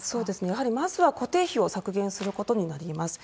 やはり、まずは固定費を削減することになります。